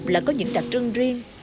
là có những đặc trưng riêng